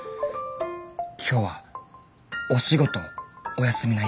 今日はお仕事お休みなようで。